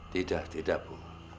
tidak tidak bu